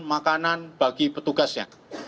makanan bagi petugasnya